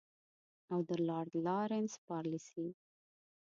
او د لارډ لارنس پالیسي.